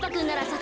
さ